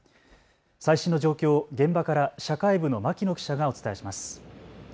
最新の状況を現場から社会部の牧野記者がお伝えします。